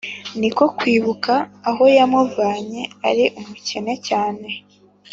niko kwibuka aho yamuvanye ari umukene cyane